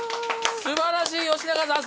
素晴らしい吉永さん